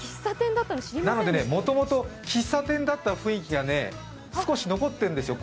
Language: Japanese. なのでもともと喫茶店だった雰囲気が少し残ってるんですよ。